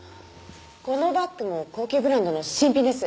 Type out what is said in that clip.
このバッグも高級ブランドの新品です。